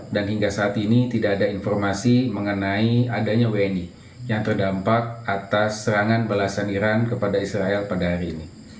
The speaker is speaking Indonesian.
dan hingga saat ini tidak ada informasi mengenai adanya wni yang terdampak atas serangan balasan iran kepada israel pada hari ini